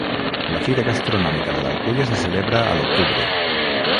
La Fira Gastronòmica de l'Alcúdia se celebra a l'octubre.